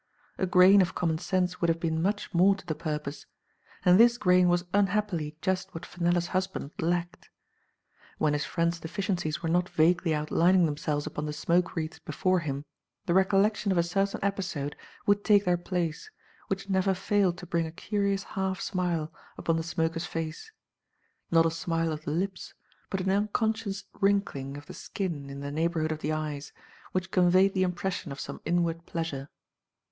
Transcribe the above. A grain of com mon sense would have been much more to the purpose, and this grain was unhappily just what Fenella's husband lacked. When his friend's deficiencies were not vaguely outlining them selves upon the smoke wreaths before him, the recollection of a certain episode would take their place, which never failed to bring a curious half smile upon the smoker's face, not a smile of the lips, but an unconscious wrinkling of the skin in the neighborhood of the eyes, which conveyed the impression of some inward pleasure.